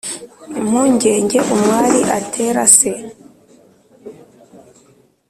Impungenge umwari atera se